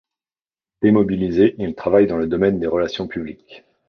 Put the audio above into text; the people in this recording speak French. Démobilisé, il travaille dans le domaine des relations publiques.